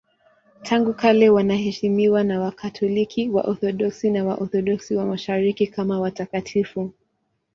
Tangu kale wanaheshimiwa na Wakatoliki, Waorthodoksi na Waorthodoksi wa Mashariki kama watakatifu.